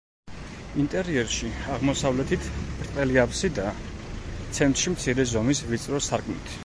ინტერიერში აღმოსავლეთით ბრტყელი აბსიდაა, ცენტრში მცირე ზომის ვიწრო სარკმლით.